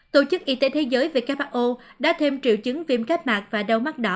tổ chức y tế thế giới who đã thêm triệu chứng viêm kết mạc và đau mắt đỏ